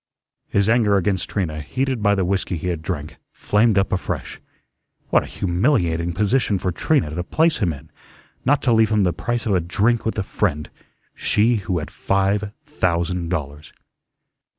His anger against Trina, heated by the whiskey he had drank, flamed up afresh. What a humiliating position for Trina to place him in, not to leave him the price of a drink with a friend, she who had five thousand dollars!